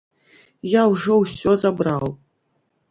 Я ўжо ўсё забраў!